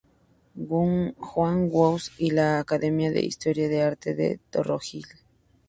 Juan Guas" y de la "Academia de Historia y Arte de Torrijos".